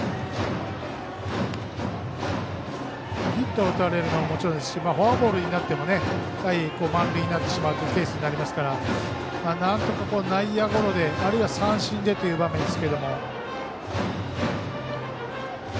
ヒットを打たれるのはもちろんですしフォアボールになっても満塁になってしまうのでなんとか内野ゴロで、あるいは三振でという場面ですけど。